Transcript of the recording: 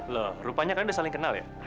loh rupanya kan udah saling kenal ya